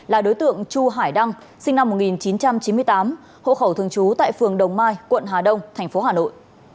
là đối tượng chu hải đăng sinh năm một nghìn chín trăm chín mươi tám hộ khẩu thường trú tại phường đồng mai quận hà đông tp hà nội